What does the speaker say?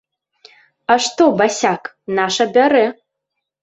А што, басяк, наша бярэ!